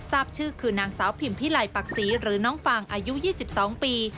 ทราบชื่อคือนางสาวพิมพิไลปักศรีหรือน้องฟางอายุ๒๒ปี